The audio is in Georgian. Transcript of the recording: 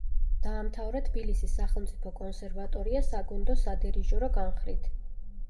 დაამთავრა თბილისის სახელმწიფო კონსერვატორია საგუნდო-სადირიჟორო განხრით.